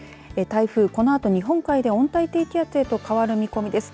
台風、このあと日本海で温帯低気圧へと変わる見込みです。